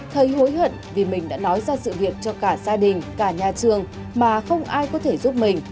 thầy hối hận vì mình đã nói